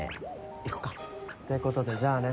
行こうか。ってことでじゃあね。